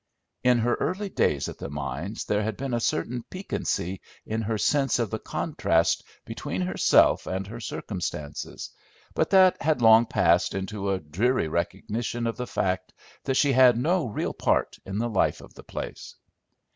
In her early days at the mines there had been a certain piquancy in her sense of the contrast between herself and her circumstances, but that had long passed into a dreary recognition of the fact that she had no real part in the life of the place.